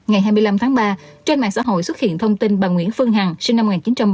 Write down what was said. ngày hai mươi năm tháng ba trên mạng xã hội xuất hiện thông tin bà nguyễn phương hằng sinh năm một nghìn chín trăm bảy mươi